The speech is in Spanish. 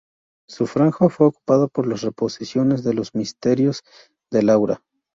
Su franja fue ocupada por las reposiciones de "Los misterios de Laura".